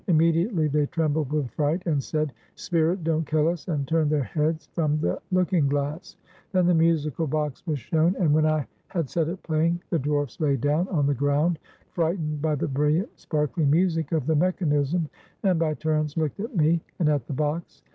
Immediately they trembled with fright, and said, "Spirit, don't kill us!" and turned their heads from the looking glass. Then the musical box was shown, and 417 WESTERN AND CENTRAL AFRICA when I had set it playing the dwarfs lay down on the ground, frightened by the brilliant, sparkling music of the mechanism, and by turns looked at me and at the box.